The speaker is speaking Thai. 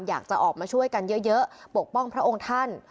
อยากจะออกมาช่วยกันเยอะปกป้องพระองค์ท่าน